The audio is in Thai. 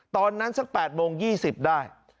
ตอนนั้นสัก๘โมง๒๐ได้